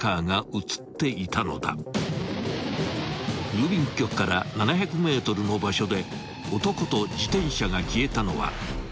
［郵便局から７００ｍの場所で男と自転車が消えたのは］